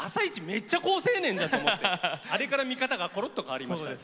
めっちゃ好青年だと思ってあれから見方がころっと変わりまして。